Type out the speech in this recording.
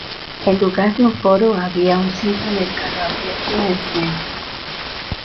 En lugar de un foro, había un simple mercado abierto en el centro.